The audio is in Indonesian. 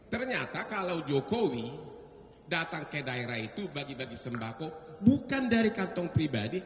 ternyata kalau jokowi datang ke daerah itu bagi bagi sembako bukan dari kantong pribadi